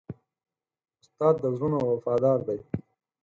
استاد د زړونو وفادار دی.